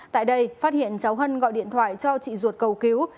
tại đây phát hiện cháu hân gọi điện thoại cho chị ruột cầu cứu